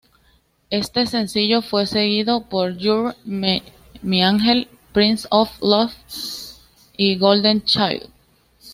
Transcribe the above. Este sencillo fue seguido por "You're My Angel", "Prince of Love" y "Golden Child".